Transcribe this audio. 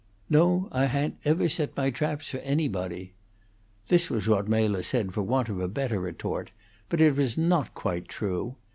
"No; I ha'n't ever set my traps for anybody." This was what Mela said for want of a better retort; but it was not quite true.